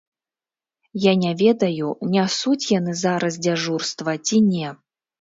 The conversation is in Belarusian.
Я не ведаю, нясуць яны зараз дзяжурства ці не.